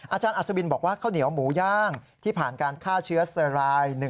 อาจารย์อัศวินบอกว่าข้าวเหนียวหมูย่างที่ผ่านการฆ่าเชื้อสเตอร์รายหนึ่ง